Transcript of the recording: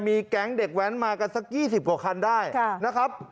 มีแก๊งเด็กแว้นมากันสัก๒๐กว่าคันได้นะครับ